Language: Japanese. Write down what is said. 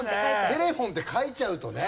「テレフォン」って書いちゃうとね。